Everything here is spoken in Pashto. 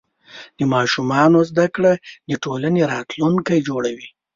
د ماشومانو زده کړه د ټولنې راتلونکی جوړوي.